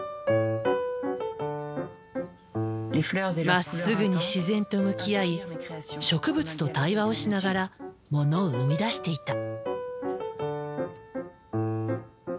まっすぐに自然と向き合い植物と対話をしながらものを生み出していた。